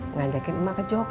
ngajakin emak ke jawa